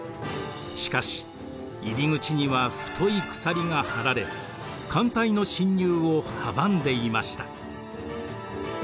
しかし入り口には太い鎖が張られ艦隊の侵入を阻んでいました。